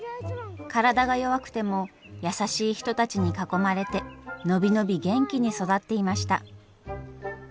体が弱くても優しい人たちに囲まれて伸び伸び元気に育っていました。